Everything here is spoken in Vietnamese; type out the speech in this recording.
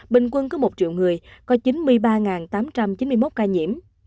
bình quân có một triệu người có chín mươi ba tám trăm chín mươi một ca nhiễm